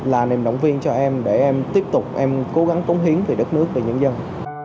là niềm động viên cho em để em tiếp tục em cố gắng cống hiến về đất nước và nhân dân